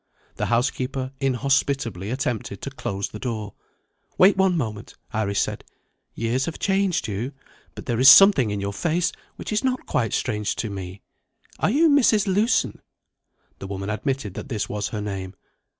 The housekeeper inhospitably attempted to close the door. "Wait one moment," Iris said. "Years have changed you; but there is something in your face which is not quite strange to me. Are you Mrs. Lewson?" The woman admitted that this was her name.